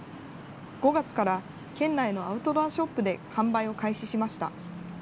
５月から県内のアウトドアショップで販売を開始しました。